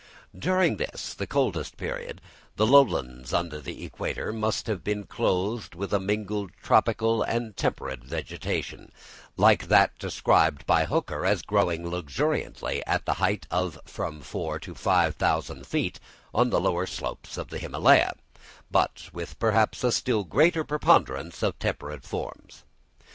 During this, the coldest period, the lowlands under the equator must have been clothed with a mingled tropical and temperate vegetation, like that described by Hooker as growing luxuriantly at the height of from four to five thousand feet on the lower slopes of the Himalaya, but with perhaps a still greater preponderance of temperate forms.